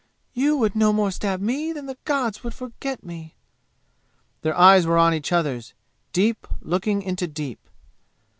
You would no more stab me than the gods would forget me!" Their eyes were on each other's deep looking into deep.